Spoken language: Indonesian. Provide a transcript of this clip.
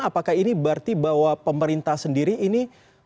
apakah ini berarti bahwa pemerintah sendiri ini